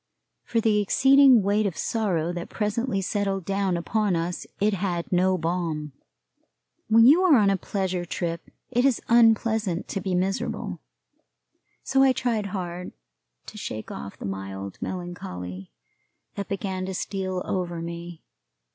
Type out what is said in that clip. For the exceeding weight of sorrow that presently settled down upon us it had no balm. When you are on a pleasure trip it is unpleasant to be miserable; so I tried hard to shake off the mild melancholy that began to steal over me.